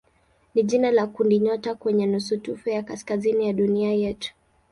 ni jina la kundinyota kwenye nusutufe ya kaskazini ya dunia yetu.